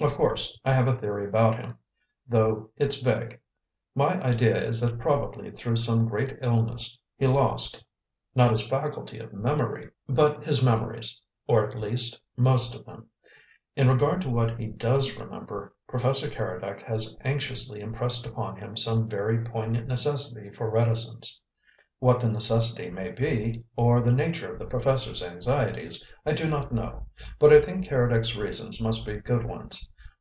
Of course I have a theory about him, though it's vague. My idea is that probably through some great illness he lost not his faculty of memory, but his memories, or, at least, most of them. In regard to what he does remember, Professor Keredec has anxiously impressed upon him some very poignant necessity for reticence. What the necessity may be, or the nature of the professor's anxieties, I do not know, but I think Keredec's reasons must be good ones.